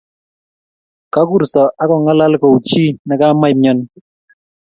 kakurso akongalal kouchi ne kamaimyani